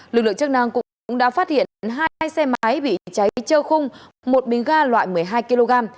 lực lượng chức năng cũng đã phát hiện hai xe máy bị cháy trơ khung một bình ga loại một mươi hai kg